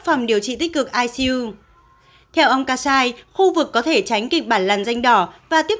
phòng điều trị tích cực icu theo ông kassai khu vực có thể tránh kịch bản làn danh đỏ và tiếp